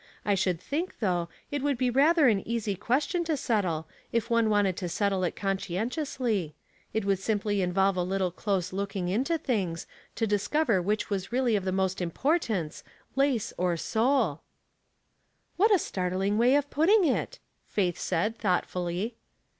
I should think, though, it would be rather an easy ques tion to settle, if one wanted to settle it conscien tiously — it would simply involve a little close looking into things, to discover which was really of the most importance, lace or soul." " What a startling way of putting it !" Faith' said, thoughtfully.